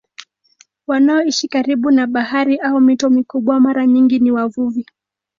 Wanaoishi karibu na bahari au mito mikubwa mara nyingi ni wavuvi.